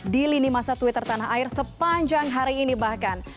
di lini masa twitter tanah air sepanjang hari ini bahkan